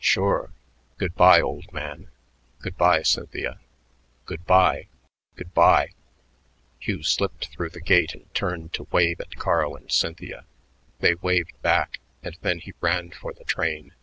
"Sure. Good by, old man. Good by Cynthia." "Good by good by." Hugh slipped through the gate and, turned to wave at Carl and Cynthia. They waved back, and then he ran for the train.